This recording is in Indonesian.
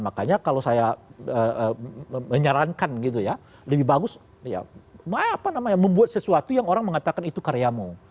makanya kalau saya menyarankan gitu ya lebih bagus ya apa namanya membuat sesuatu yang orang mengatakan itu karyamu